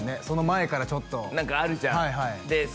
その前からちょっと何かあるじゃんで